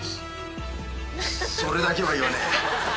そそれだけは言わねえ。